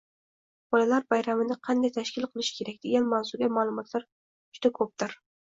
Bolalar bayramini qanday tashkil qilish kerak, degan mavzuga ma’lumotlar juda ko‘pdir.